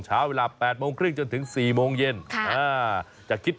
ชั่วโมงละ๘๐บาทนะครับ